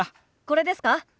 これですか？